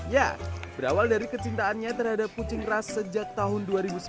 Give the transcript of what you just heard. ya berawal dari kecintaannya terhadap kucing ras sejak tahun dua ribu sembilan